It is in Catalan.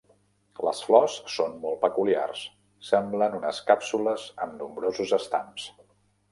Les flors són molt peculiars, semblen unes càpsules amb nombrosos estams.